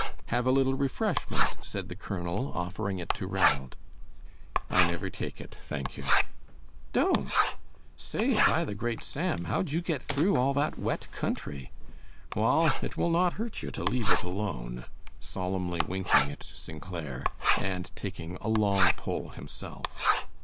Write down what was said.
"Have a little refreshment," said the colonel, offering it to Ranald. "I never take it, thank you." "Don't? Say, by the great Sam, how'd you get through all that wet country? Wall, it will not hurt you to leave it alone," solemnly winking at St. Clair, and taking a long pull himself.